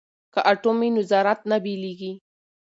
که اټوم وي نو ذرات نه بېلیږي.